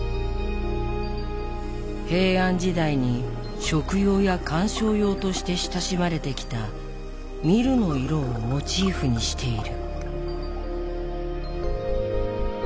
平安時代に食用や観賞用として親しまれてきた海松の色をモチーフにしている。